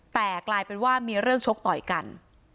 แต่กลายเป็นว่ามีเรื่องชกต่อยกัน